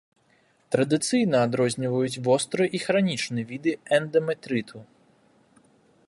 Традыцыйна адрозніваюць востры і хранічны віды эндаметрыту.